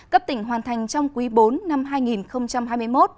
cấp tỉnh hoàn thành trong quý bốn năm hai nghìn hai mươi một